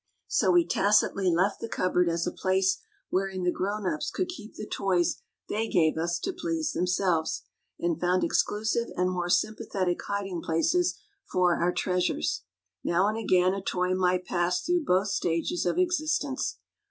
So we tacitly left the cupboard as a place wherein the grown ups could keep the toys ON NURSERY CUPBOARDS 61 they gave us to please themselves, and found exclusive and more sympathetic hiding places for our treasures. Now and again a toy might pass through both stages of existence.